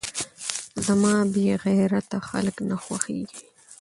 زما بې غيرته خلک نه خوښېږي .